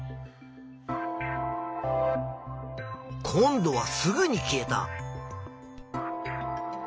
今度はすぐに消えた。